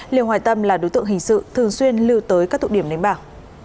lưu hoài tâm là đối tượng hình sự thường xuyên lưu tới các tụi điểm đến bảo